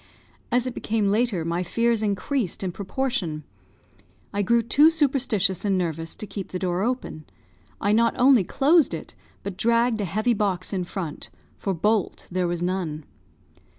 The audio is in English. As it became later, my fears increased in proportion. I grew too superstitious and nervous to keep the door open. I not only closed it, but dragged a heavy box in front, for bolt there was none.